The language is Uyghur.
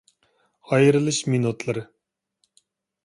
ئايرىلىش مىنۇتلىرى